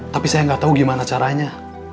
tapi saya gak tau gimana caranya